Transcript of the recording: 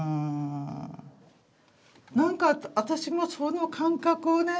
何か私もその感覚をね